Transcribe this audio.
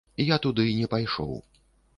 Я туды не пайшоў.